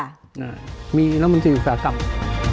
อ่ามีแล้วมันจะอยู่แสดงกลับ